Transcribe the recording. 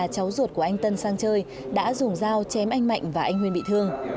cháu ruột của anh tân sang chơi đã dùng dao chém anh mạnh và anh huyê bị thương